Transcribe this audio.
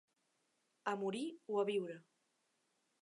A morir o a viure.